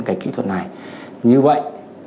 cái kỹ thuật này như vậy